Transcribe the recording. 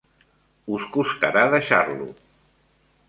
Us costarà deixar-lo.